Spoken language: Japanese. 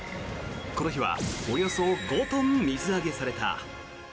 この日はおよそ５トン水揚げされた。